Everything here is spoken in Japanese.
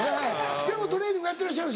でもトレーニングやってらっしゃる？